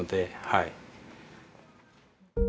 はい。